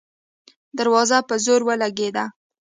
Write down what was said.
دروازه په زور ولګېده.